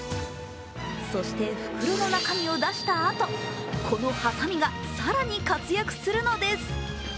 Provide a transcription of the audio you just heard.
そして袋の中味を出したあとこのはさみが更に活躍するのです。